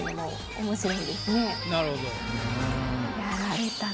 なるほど。